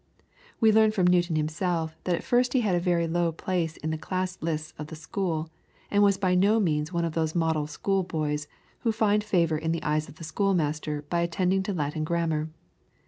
We learn from Newton himself that at first he had a very low place in the class lists of the school, and was by no means one of those model school boys who find favour in the eyes of the school master by attention to Latin grammar.